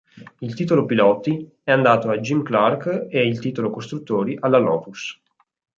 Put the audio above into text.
Il titolo piloti è andato a Jim Clark e il titolo costruttori alla Lotus.